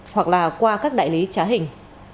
hoặc là qua các đại lý trả hình